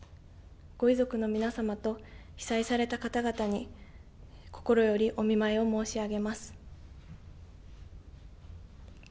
ご遺族の皆様と被災された方々に心よりお見舞いを申し上げます。